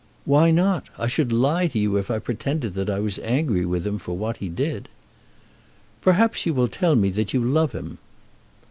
"Why not? I should lie to you if I pretended that I was angry with him for what he did." "Perhaps you will tell me that you love him."